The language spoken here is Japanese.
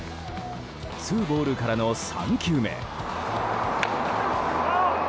ツーボールからの３球目。